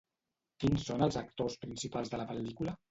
Quins són els actors principals de la pel·lícula?